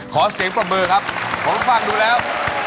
ขอเสียงปรบมือครับผมฟังดูแล้ว